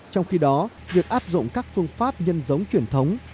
trong khi đó việc áp dụng các phương pháp nhân giống truyền thống